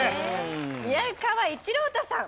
宮川一朗太さん。